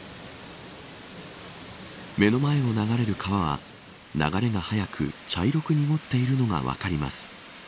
目の前を流れる川は流れが速く、茶色く濁っているのが分かります。